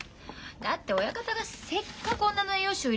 だって親方がせっかく女の栄養士を入れてくれたんだもん。